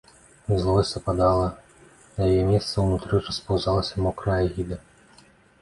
Злосць ападала, на яе месца ўнутры распаўзалася мокра агіда.